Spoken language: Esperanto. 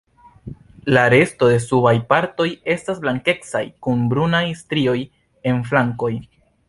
La resto de subaj partoj estas blankecaj kun brunaj strioj en flankoj.